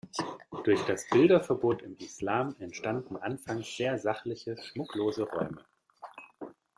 Durch das Bilderverbot im Islam entstanden anfangs sehr sachliche, schmucklose Räume.